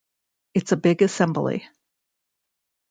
It's a big assembly.